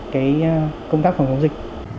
cái công tác phòng chống dịch